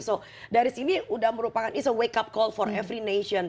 so dari sini udah merupakan is a wake up call for every nation